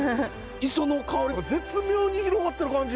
磯の香りが絶妙に広がってる感じ。